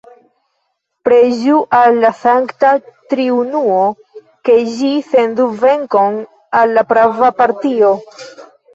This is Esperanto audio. Preĝu al la Sankta Triunuo, ke Ĝi sendu venkon al la prava partio!